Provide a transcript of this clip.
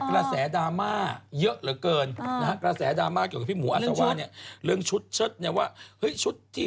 พูดตายนะเอ็มจี้